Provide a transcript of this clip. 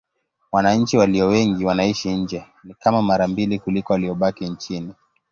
Wananchi walio wengi wanaishi nje: ni kama mara mbili kuliko waliobaki nchini.